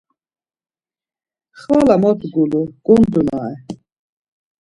Xvala mot gulur, gondunare.